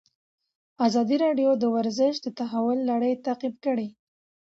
ازادي راډیو د ورزش د تحول لړۍ تعقیب کړې.